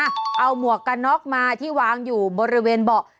นี่เอาหมวกกะน็อกมาที่วางอยู่บนระเวนเบาะ